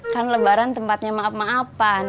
kan lebaran tempatnya maaf maafan